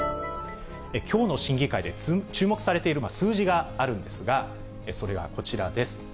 きょうの審議会で注目されている数字があるんですが、それがこちらです。